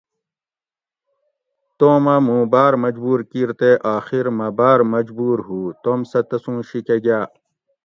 توم اٞ مُوں باٞر مجبور کِیر تے اۤخیر مٞہ باٞر مجبور ہُو توم سٞہ تسُوں شی کٞہ گاٞ